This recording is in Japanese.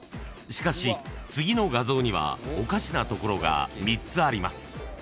［しかし次の画像にはおかしなところが３つあります］